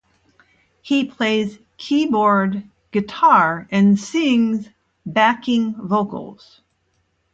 He plays keyboard, guitar and sings backing vocals.